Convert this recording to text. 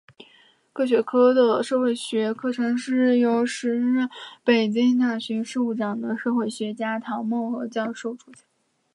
各学科的社会学课程是由时任北京大学教务长的社会学家陶孟和教授主讲。